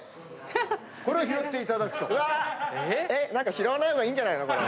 拾わない方がいいんじゃないの？